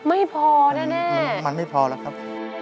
มันไม่พอแล้วครับ